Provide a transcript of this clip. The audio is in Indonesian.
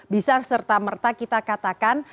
bisa serta merta kita katakan